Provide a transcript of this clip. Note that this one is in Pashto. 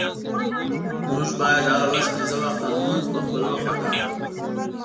مونږه باید هره ورځ پنځه وخته مونز په خپل وخت اداء کړو.